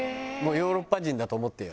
ヨーロッパ人だと思ってよ。